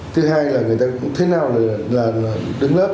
thứ hai là người ta cũng thế nào là đứng lớp